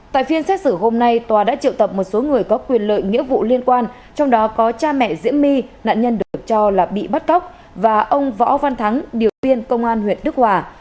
tại phiên xét xử hôm nay tòa đã triệu tập một số người có quyền lợi nghĩa vụ liên quan trong đó có cha mẹ diễm my nạn nhân được cho là bị bắt cóc và ông võ văn thắng điều viên công an huyện đức hòa